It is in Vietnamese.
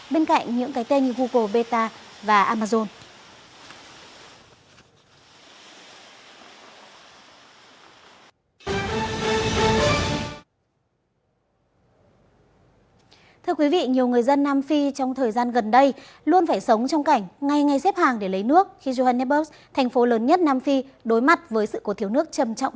bên cạnh những cái tên như google beta và amazon